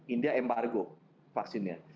india embargo vaksinnya